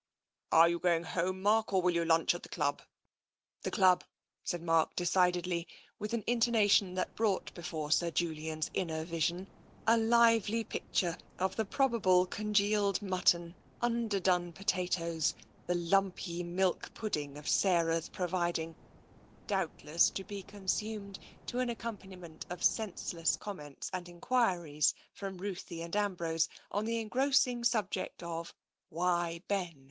" Are you going home, Mark, or will you lunch at the dub?" " The club,*' said Mark decidedly, with an intona tion that brought before Sir Julian's inner vision a lively picture of the probable congealed mutton, under done potatoes, the lumpy milk pudding of Sarah's pro viding, doubtless to be consumed to an accompaniment of senseless comments and enquiries from Ruthie and Ambrose on the engrossing subject of "Why, Ben!